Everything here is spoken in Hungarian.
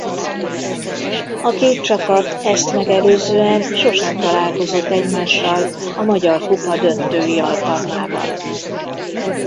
A két csapat ezt megelőzően sosem találkozott egymással a magyar kupa döntői alkalmával.